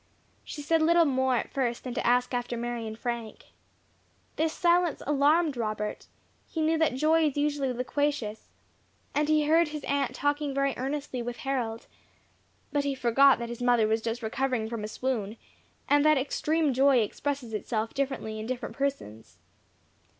She said little more at first than to ask after Mary and Frank. This silence alarmed Robert; he knew that joy is usually loquacious, and he heard his aunt talking very earnestly with Harold; but he forgot that his mother was just recovering from a swoon, and that extreme joy expresses itself differently in different persons.